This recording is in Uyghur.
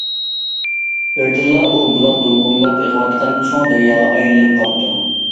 بىردىنلا، ئۇ بۇلاق دولقۇنلاپ ئېقىۋاتقان چوڭ دەرياغا ئايلىنىپ قاپتۇ.